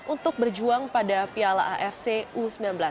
untuk berjuang pada piala afc u sembilan belas dua ribu delapan belas